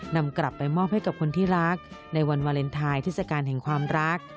นำกลับไปมอบให้กับคนที่รักในวันวาเลนไทยเทศกาลแห่งความรัก